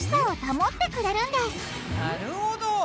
なるほど。